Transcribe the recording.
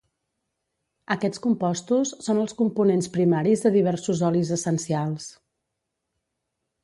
Aquests compostos són els components primaris de diversos olis essencials.